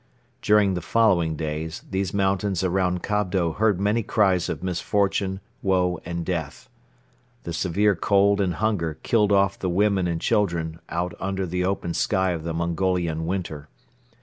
During the following days these mountains around Kobdo heard many cries of misfortune, woe and death. The severe cold and hunger killed off the women and children out under the open sky of the Mongolian winter.